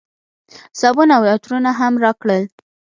صابون او عطرونه هم راکړل.